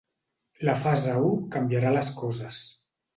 La fase u canviarà les coses.